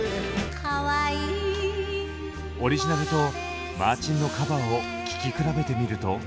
オリジナルとマーチンのカバーを聴き比べてみると。